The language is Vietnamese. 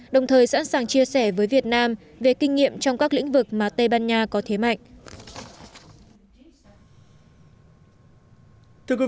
đồng thời sẵn sàng chia sẻ với việt nam về kinh nghiệm trong các lĩnh vực mà tây ban nha có thế mạnh